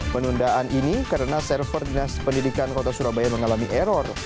penundaan ini karena server dinas pendidikan kota surabaya mengalami error